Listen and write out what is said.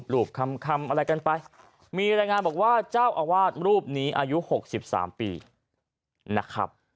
รูปคำอะไรกันไปมีรายงานบอกว่าเจ้าอาวาสรูปนี้อายุ๖๓ปีนะครับ